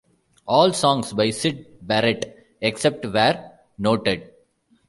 All songs by Syd Barrett, except where noted.